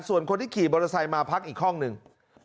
ส่วนคนที่ขี่บริษัทมาพักอีกห้องนึง